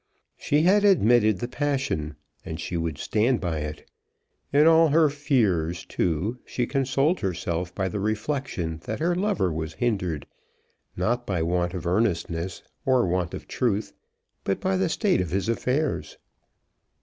She had admitted the passion, and she would stand by it. In all her fears, too, she consoled herself by the reflection that her lover was hindered, not by want of earnestness or want of truth, but by the state of his affairs.